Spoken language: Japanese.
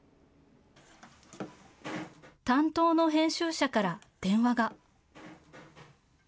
担当の編集者から電話が。